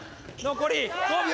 残り５秒！